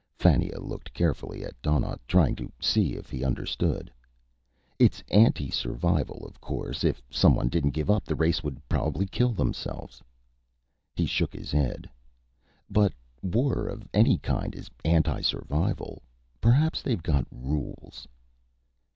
Fannia looked carefully at Donnaught, trying to see if he understood. "It's anti survival, of course; if someone didn't give up, the race would probably kill themselves." He shook his head. "But war of any kind is anti survival. Perhaps they've got rules."